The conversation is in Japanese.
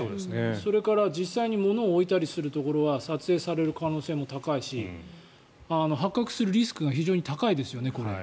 それから実際にものを置いたりするところは撮影される可能性も高いし発覚するリスクが非常に高いですよね。